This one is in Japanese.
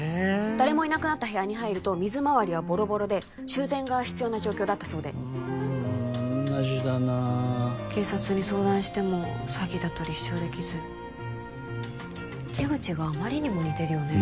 誰もいなくなった部屋に入ると水回りはボロボロで修繕が必要な状況だったそうでうん同じだな警察に相談しても詐欺だと立証できず手口があまりにも似てるよね